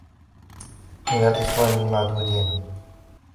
مِنْ الْإِخْوَانِ الْمَعْدُودِينَ